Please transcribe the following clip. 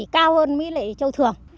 cao hơn châu thường